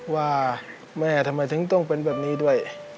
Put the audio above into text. ว่าแม่ทำไมถึงต้องเป็นแบบนี้ด้วย